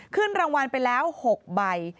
ขึ้นรางวัลไปแล้ว๖ใบ